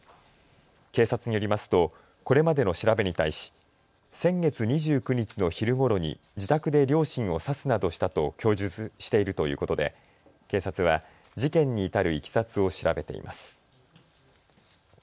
警察によりますとこれまでの調べに対し先月２９日の昼ごろに自宅で両親を刺すなどしたと供述しているということで警察は事件に至るいきさつを調べています。